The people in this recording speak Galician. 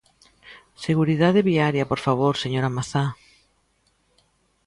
Seguridade viaria, por favor, señora Mazá.